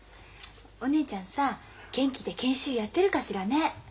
お姉ちゃんさ元気で研修やってるかしらね。